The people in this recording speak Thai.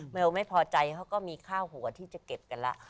ไม่ว่าไม่พอใจเขาก็มีข้าวหัวที่จะเก็บกันแล้ว